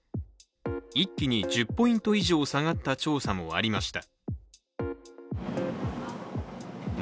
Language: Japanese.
一気に１０ポイント以上下がった調査もありました。